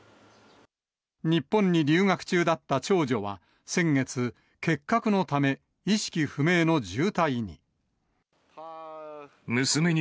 日本に留学中だった長女は、先月、結核のため、意識不明の重体に。